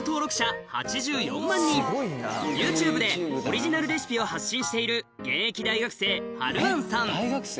ＹｏｕＴｕｂｅでオリジナルレシピを発信している現役大学生はるあんさん